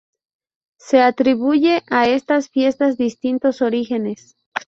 Se atribuye a estas fiestas distintos orígenes.